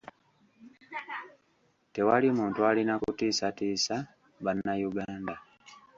Tewali muntu alina kutiisatiisa bannayuganda.